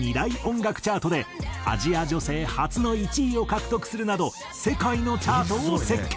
チャートでアジア女性初の１位を獲得するなど世界のチャートを席巻。